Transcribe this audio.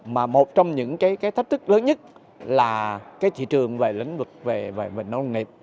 mà một trong những cái thách thức lớn nhất là cái thị trường về lĩnh vực về nông nghiệp